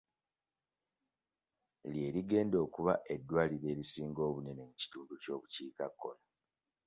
Lye ligenda okuba eddwaliro erisinga obunene mu kitundu ky'obukiikakkono.